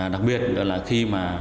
đặc biệt là khi mà